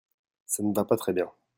Ça ne va pas très bien.